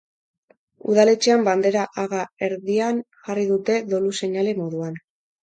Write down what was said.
Udaletxean bandera haga erdian jarri dute dolu-seinale moduan.